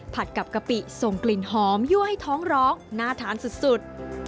กับกะปิส่งกลิ่นหอมยั่วให้ท้องร้องน่าทานสุด